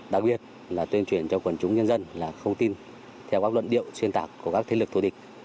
đặc biệt là tuyên truyền cho quần chúng nhân dân là không tin theo các luận điệu xuyên tạc của các thế lực thù địch